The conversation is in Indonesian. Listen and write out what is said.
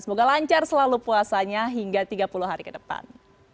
semoga lancar selalu puasanya hingga tiga puluh hari ke depan